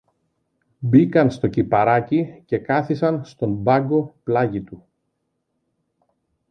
Μπήκαν στο κηπαράκι και κάθισαν στον μπάγκο πλάγι του.